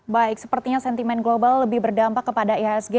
baik sepertinya sentimen global lebih berdampak kepada ihsg